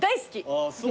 あっそう。